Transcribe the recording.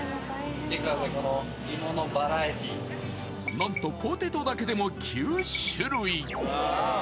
なんとポテトだけでも９種類。